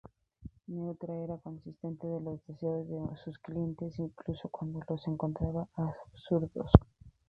Neutra era consciente de los deseos de sus clientes incluso cuando los encontraba absurdos.